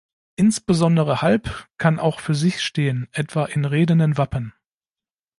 Insbesondere halb kann auch für sich stehen, etwa in redenden Wappen.